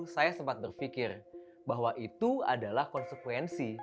saya sempat berpikir bahwa itu adalah konsekuensi